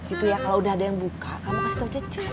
itu ya kalau udah ada yang buka kamu kasih tau ce